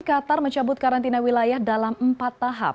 mbak lani qatar mencabut karantina wilayah dalam empat tahap